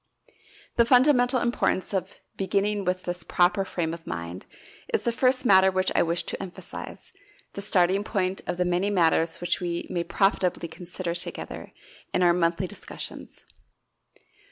The fundamental importance of beginning with this "proper frame of mind" is the first matter which I wish to emphasize, the starting point of the many matters which we may profitably consider together in our monthly discussions.